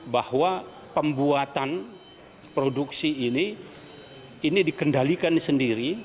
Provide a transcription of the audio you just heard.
bahwa pembuatan produksi ini ini dikendalikan sendiri